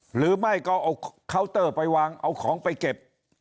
หรือไม่ก็เอาเคาน์เตอร์ไปวางเอาของไปเก็บ